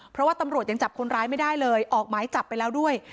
เพราะว่าตำรวจยังจับคนร้ายไม่ได้เลยออกหมายจับไปแล้วด้วย